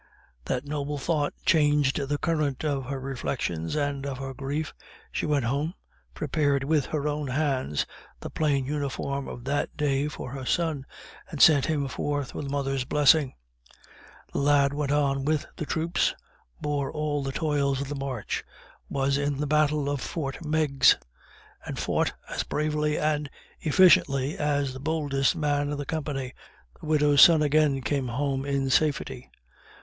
That noble thought changed the current of her reflections, and of her grief she went home, prepared with her own hands the plain uniform of that day for her son, and sent him forth with a mother's blessing. The lad went on with the troops, bore all the toils of the march, was in the battle at Fort Meigs, and fought as bravely and efficiently as the boldest man in the company. The widow's son again came home in safety.